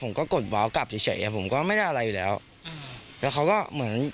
กดว้าวกลับเฉยเฉยผมก็ไม่ได้อะไรอยู่แล้วแล้วเขาก็เหมือน